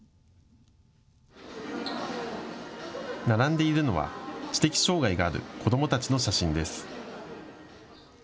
並んでいるのは知的障害がある子どもたちの写真です。